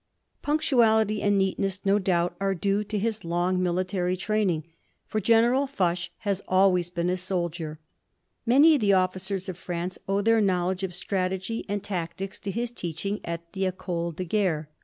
Punctuality and neatness no doubt are due to his long military training, for General Foch has always been a soldier. Many of the officers of France owe their knowledge of strategy and tactics to his teaching at the École de Guerre.